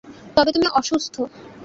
তবে তুমি অসুস্থ।